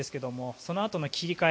そのあとの切り替え